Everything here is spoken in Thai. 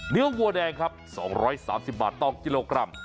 วัวแดงครับ๒๓๐บาทต่อกิโลกรัม